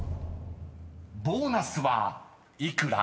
［ボーナスは幾ら？］